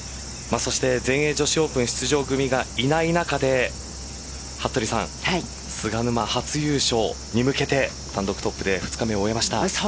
そして全英女子オープン出場組がいない中で服部さん菅沼、初優勝に向けて単独トップで２日目を終えました。